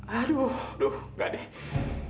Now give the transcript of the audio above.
aduh aduh nggak deh